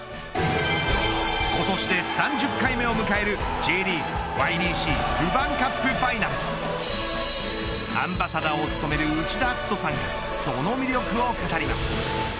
今年で３０回目を迎えるＪリーグＹＢＣルヴァンカップファイナルアンバサダーを務める内田篤人さんがその魅力を語ります。